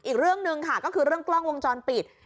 อีกเรื่องหนึ่งค่ะก็คือเรื่องกล้องวงจรปิด